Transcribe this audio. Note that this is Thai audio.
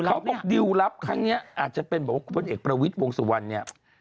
ของเราออกดิวลับครั้งนี้อาจจะเป็นบอกว่าคุณเห็กประวิยบงศวรรณเนี่ย